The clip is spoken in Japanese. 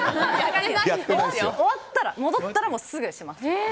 終わったら戻ったらすぐします。